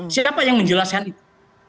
siapa yang menjelaskan itu